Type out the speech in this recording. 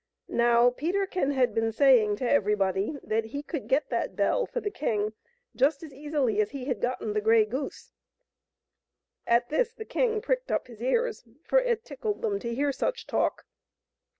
Now, Peterkin had been saying to everybody that he could get that bell for the king just as easily as he had gotten the grey goose. At this the king pricked up his ears, for it tickled them to hear such talk.